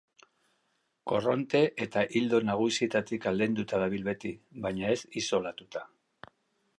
Korronte eta ildo nagusietatik aldenduta dabil beti, baina ez isolatuta.